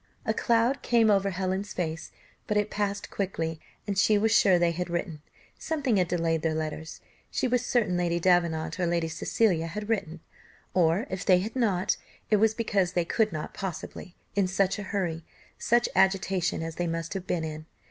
A cloud came over Helen's face, but it passed quickly, and she was sure they had written something had delayed their letters. She was certain Lady Davenant or Lady Cecilia had written; or, if they had not, it was because they could not possibly, in such a hurry, such agitation as they must have been in.